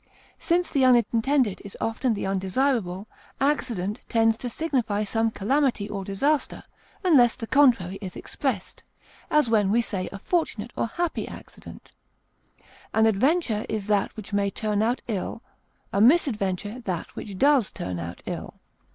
Since the unintended is often the undesirable, accident tends to signify some calamity or disaster, unless the contrary is expressed, as when we say a fortunate or happy accident. An adventure is that which may turn out ill, a misadventure that which does turn out ill.